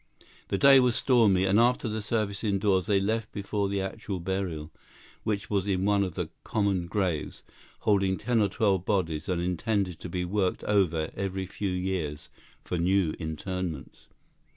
The day was stormy, and after the service indoors they left before the actual burial, which was in one of the "common graves," holding ten or twelve bodies and intended to be worked over every few years for new interments.